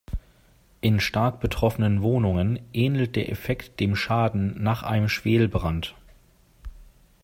In stark betroffenen Wohnungen ähnelt der Effekt dem Schaden nach einem Schwelbrand.